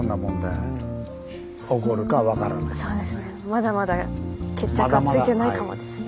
まだまだ決着はついてないかもですね。